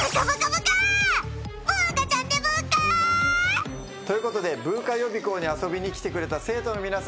ブーカちゃんでブーカ！ということでブーカ予備校に遊びに来てくれた生徒の皆さん